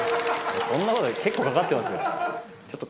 そんなことない結構かかってますよ。